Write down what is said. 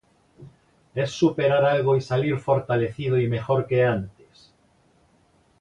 Es superar algo y salir fortalecido y mejor que antes.